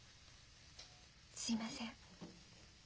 すいません。